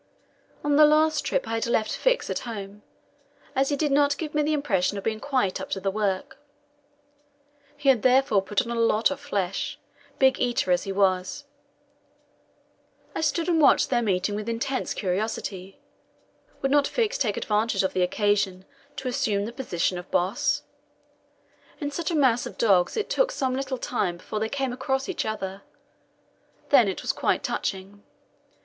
On this last trip I had left Fix at home, as he did not give me the impression of being quite up to the work; he had therefore put on a lot of flesh, big eater as he was. I stood and watched their meeting with intense curiosity. Would not Fix take advantage of the occasion to assume the position of boss? In such a mass of dogs it took some little time before they came across each other. Then it was quite touching.